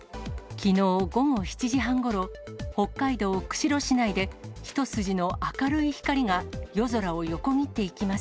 きのう午後７時半ごろ、北海道釧路市内で、一筋の明るい光が、夜空を横切っていきます。